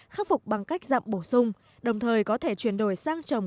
khắc phục bằng cách dặm bổ sung đồng thời có thể chuyển đổi sang trồng